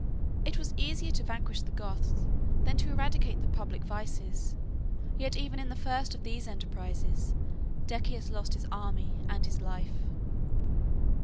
43 It was easier to vanquish the Goths than to eradicate the public vices; yet even in the first of these enterprises, Decius lost his army and his life.